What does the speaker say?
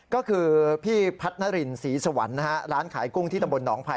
ก็คือพี่พัฒนารินศรีสวรรค์นะฮะร้านขายกุ้งที่ตำบลหนองไผ่